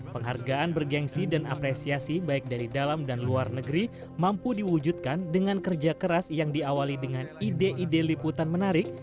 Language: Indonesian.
penghargaan bergensi dan apresiasi baik dari dalam dan luar negeri mampu diwujudkan dengan kerja keras yang diawali dengan ide ide liputan menarik